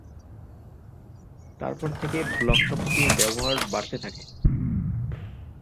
তারপর থেকে 'ব্লগ' শব্দটির ব্যবহার বাড়তে থাকে।